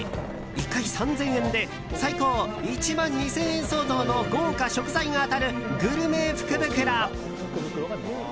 １回３０００円で最高１万２０００円相当の豪華食材が当たるグルメ福袋。